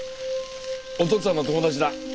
お父っつぁんの友達だ。